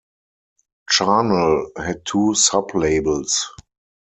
Charnel had two sub-labels.